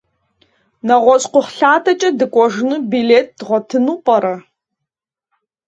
НэгъуэщӀ кхъухьлъатэкӏэ дыкӏуэжыну билет дгъуэтыну пӏэрэ?